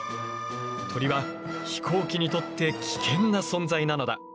鳥は飛行機にとって危険な存在なのだ。